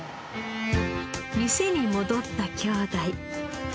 店に戻った兄弟。